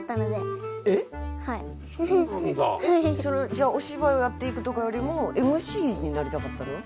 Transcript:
じゃあお芝居をやっていくとかよりもＭＣになりたかったの？